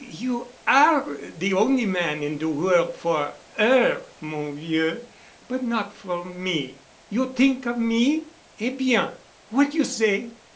"You are de on'y man in de worl'—for 'er—mon vieux, but not for me. You t'ink of me? Eh bien. What you say?